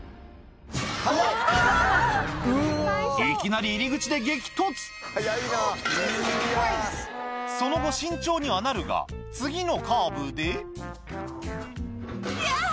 いきなり入り口で激突その後慎重にはなるが次のカーブで嫌！